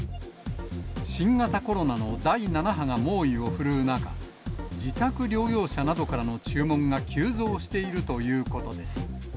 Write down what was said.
新型コロナの第７波が猛威を振るう中、自宅療養者などからの注文が急増しているということです。